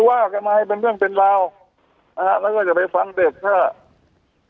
ดูว่ากันมาให้เป็นเรื่องเป็นราวหาแล้วก็จะไปฟังเด็กครับ